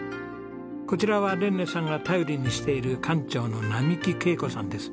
こちらはレンネさんが頼りにしている館長の並木敬子さんです。